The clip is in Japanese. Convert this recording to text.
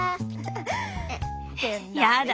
やだ